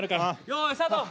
よいスタート！